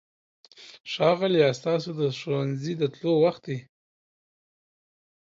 ښاغلیه! ستاسو د ښوونځي د تلو وخت دی.